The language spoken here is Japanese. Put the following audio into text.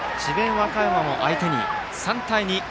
和歌山を相手に３対２。